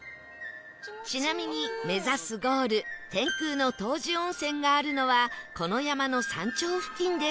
ちなみに目指すゴール天空の湯治温泉があるのはこの山の山頂付近です